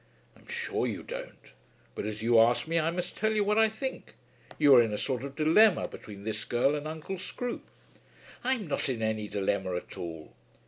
"I'm sure you don't. But as you ask me I must tell you what I think. You are in a sort of dilemma between this girl and Uncle Scroope." "I'm not in any dilemma at all."